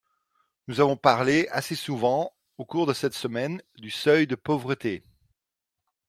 Nous avons parlé assez souvent, au cours de cette semaine, du seuil de pauvreté.